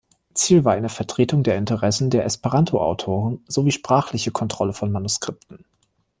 Ziel war eine Vertretung der Interessen der Esperanto-Autoren sowie sprachliche Kontrolle von Manuskripten.